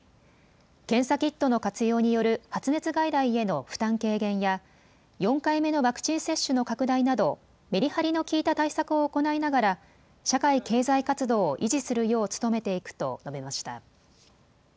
検査キットの活用による発熱外来への負担軽減や４回目のワクチン接種の拡大などメリハリのきいた対策を行いながら社会経済活動を維持するよう努めていくと述べました。